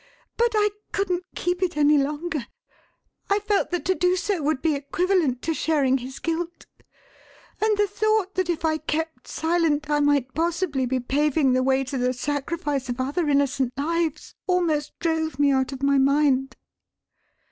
But I couldn't keep it any longer; I felt that to do so would be equivalent to sharing his guilt, and the thought that if I kept silent I might possibly be paving the way to the sacrifice of other innocent lives almost drove me out of my mind."